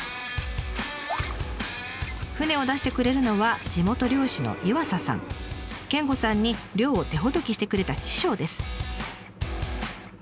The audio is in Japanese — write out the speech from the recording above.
船を出してくれるのは地元漁師の健吾さんに漁を手ほどきしてくれた師匠です。